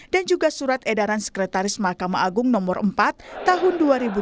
dan juga surat edaran sekretaris mahkamah agung nomor empat tahun dua ribu dua puluh dua